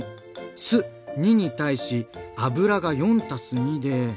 酢２に対し油が４たす２で。